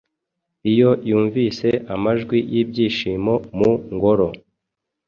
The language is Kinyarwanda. iyo yumvise amajwi yibyishimo mu ngoro